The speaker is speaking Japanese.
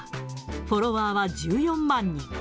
フォロワーは１４万人。